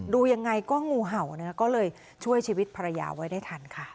ดูยังไงก็งูเห่านะก็เลยช่วยชีวิตภรรยาไว้ได้ทันค่ะ